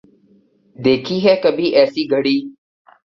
دیکھی ہے کبھی ایسی گھڑی